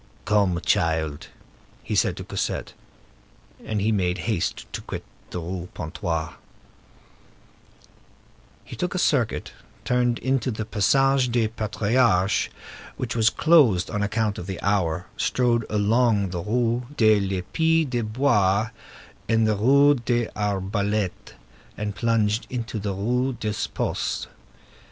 "Come, child," he said to Cosette; and he made haste to quit the Rue Pontoise. He took a circuit, turned into the Passage des Patriarches, which was closed on account of the hour, strode along the Rue de l'Épée de Bois and the Rue de l'Arbalète, and plunged into the Rue des Postes.